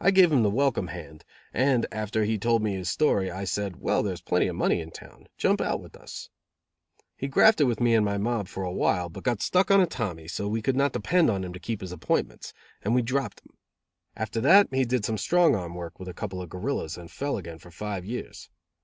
I gave him the welcome hand, and, after he had told me his story, I said: "Well, there is plenty of money in town. Jump out with us." He grafted with me and my mob for a while, but got stuck on a Tommy, so that we could not depend on him to keep his appointments, and we dropped him. After that he did some strong arm work with a couple of gorillas and fell again for five years.